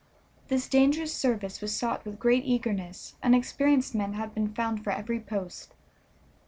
This dangerous service was sought with great eagerness, and experienced men had been found for every post.